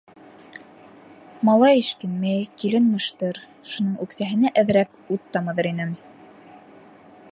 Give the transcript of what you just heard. Малай эшкинмәй, килен мыштыр, шуның үксәһенә әҙерәк ут тамыҙыр инем.